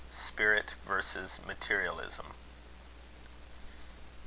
SPIRIT VERSUS MATERIALISM.